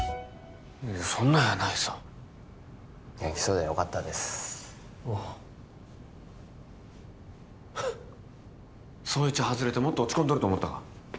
そんなんやないさ元気そうでよかったですああ捜一外れてもっと落ち込んどると思ったか？